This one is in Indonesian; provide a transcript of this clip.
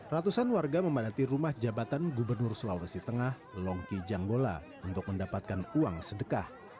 ratusan warga memadati rumah jabatan gubernur sulawesi tengah longki janggola untuk mendapatkan uang sedekah